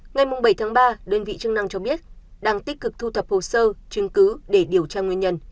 ngày bảy tháng ba đơn vị chức năng cho biết đang tích cực thu thập hồ sơ chứng cứ để điều tra nguyên nhân